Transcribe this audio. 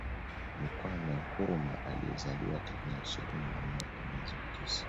Ni Kwame Nkrumah aliyezaliwa tarehe ishirini na moja mwezi wa tisa